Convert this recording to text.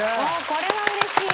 これはうれしい！